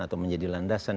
atau menjadi landasan